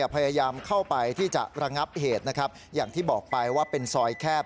พยายามเข้าไปที่จะระงับเหตุนะครับอย่างที่บอกไปว่าเป็นซอยแคบ